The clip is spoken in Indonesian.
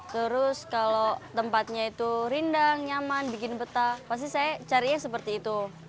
terus kalau tempatnya itu rindang nyaman bikin betah pasti saya carinya seperti itu